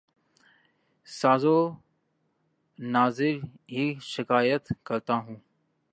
شاز و ناذر ہی شکایت کرتا ہوں